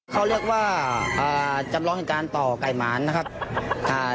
เขาเลือกว่าจำลองการต่อกาหมานะครับ